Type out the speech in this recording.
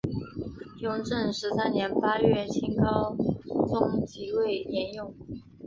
雍正十三年八月清高宗即位沿用。